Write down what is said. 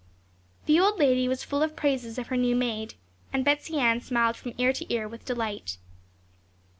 The old lady was full of the praises of her new maid, and Betsey Ann smiled from ear to ear with delight.